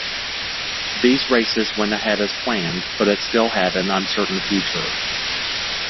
These races went ahead as planned, but it still had an uncertain future.